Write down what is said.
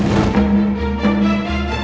jangan lupa joko tingkir